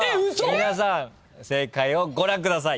皆さん正解をご覧ください。